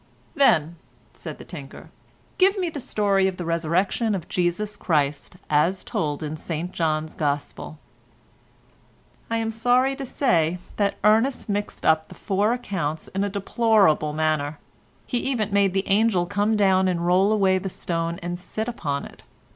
"Then," said the tinker, "give me the story of the Resurrection of Jesus Christ as told in St John's gospel." I am sorry to say that Ernest mixed up the four accounts in a deplorable manner; he even made the angel come down and roll away the stone and sit upon it.